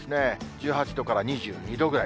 １８度から２２度ぐらい。